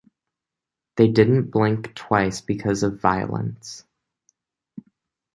They didn't blink twice because of violence.